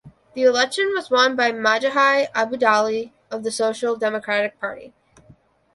The election was won by Magaji Abdullahi of the Social Democratic Party.